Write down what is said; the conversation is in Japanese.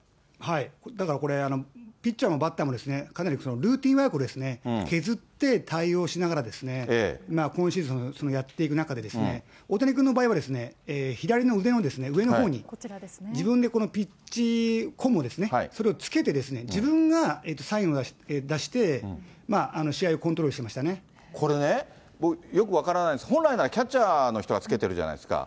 だからこれ、ピッチャーもバッターも、かなりルーティンワークをですね、削って対応しながら、今シーズン、やっていく中で、大谷君の場合はですね、左の腕の上のほうに、自分でピッチコムをつけて、それをつけて、自分がサインを出して、これね、よく分からないんです、本来ならキャッチャーの人がつけてるじゃないですか。